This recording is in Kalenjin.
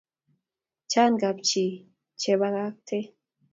Chan kapchi che pakaktakee